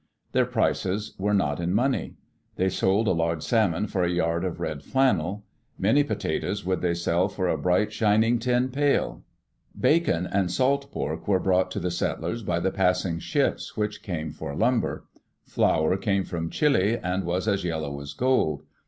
Their prices were not in money. They sold a large salmon for a yard of red flannel; many potatoes would they sell for a bright, shining tin pail. Bacon and salt pork were brought to the settlers by the passing ships, which came for lumber. Flour came from Chile and was as yellow as gold.